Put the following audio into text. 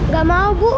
gak mau bu